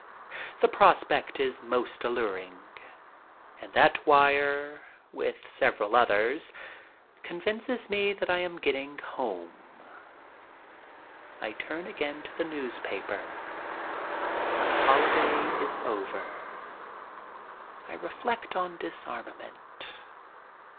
The prospect is most alluring. And that wire, with several others, convinces me that I am getting home. I turn again to the newspaper. My holiday is over. I reflect on disarmament.